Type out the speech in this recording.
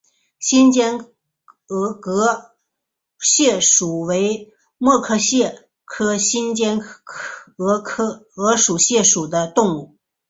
新尖额蟹属为膜壳蟹科新尖额蟹属的动物。